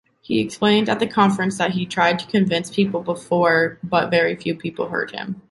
He explained at the conference, that he tried to convince people before, but very few people heard him.